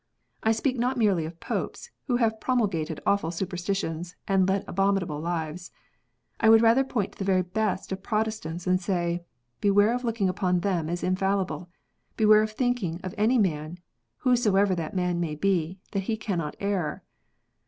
I speak not merely of Popes, who have pro mulgated awful superstitions, and led abominable lives. I would rather point to the very best of Protestants, and say, " Beware of looking upon them as infallible, beware of think ing of any man (whoever that man may be) that he cannot err."